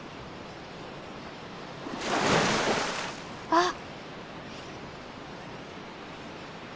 あっ！